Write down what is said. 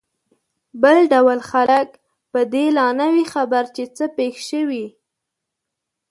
بل ډول خلک په دې لا نه وي خبر چې څه پېښ شوي.